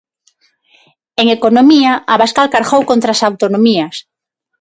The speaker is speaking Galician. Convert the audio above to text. En economía, Abascal cargou contra as autonomías.